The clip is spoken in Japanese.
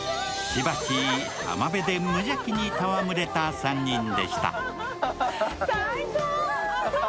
しばし、浜辺で無邪気にたわむれた３人でした。